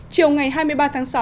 chiều ngày hai mươi ba tháng sáu